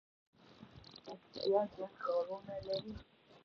پکتیا جګ غرونه لري